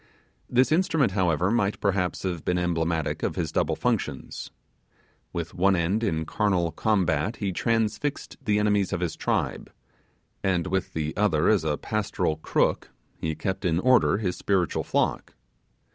This instrument, however, might perhaps have been emblematic of his double functions. With one end in carnal combat he transfixed the enemies of his tribe; and with the other as a pastoral crook he kept in order his spiritual flock.